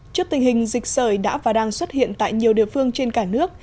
trước tình hình dịch sởi đã và đang xuất hiện tại nhiều địa phương trên cả nước